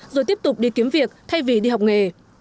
rồi tiếp tục đi kiếm việc thay vì đi học nghề